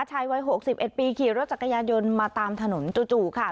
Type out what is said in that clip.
ชายวัยหกสิบเอ็ดปีขี่รถจักรยายนยนต์มาตามถนนจู่ค่ะ